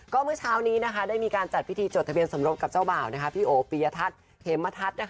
ก็เมื่อเช้านี้ได้มีการจัดพิธีจดทะเบียนสมรสกับเจ้าบ่าวพี่โอปียทัศน์เขมทัศน์